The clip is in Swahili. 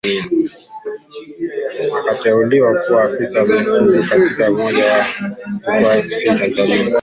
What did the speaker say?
Akateuliwa kuwa afisa mifugo katika moja ya mikoa ya Kusini Tanzania